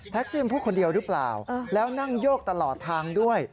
ซี่มันพูดคนเดียวหรือเปล่าแล้วนั่งโยกตลอดทางด้วย